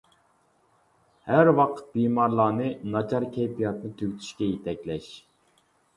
ھەر ۋاقىت بىمارلارنى ناچار كەيپىياتنى تۈگىتىشكە يېتەكلەش.